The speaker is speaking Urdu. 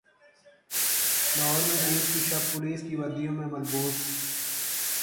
لاہور میں پیر کی شب پولیس کی وردیوں میں ملبوس